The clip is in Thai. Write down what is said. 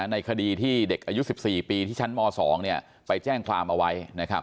ในคดีที่เด็กอายุ๑๔ปีที่ชั้นม๒ไปแจ้งความเอาไว้นะครับ